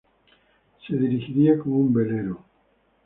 Se dirigiría como un velero.